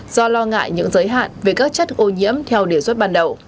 do lo ngại những giới hạn về các chất ô nhiễm theo đề xuất ban đầu